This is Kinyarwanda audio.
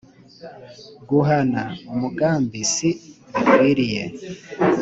guhana umugambi si bikwiriye